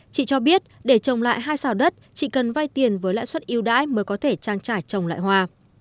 chị cho biết để trồng lại hai xào đất chỉ cần vay tiền với lãi suất yêu đãi mới có thể trang trải trồng lại hoa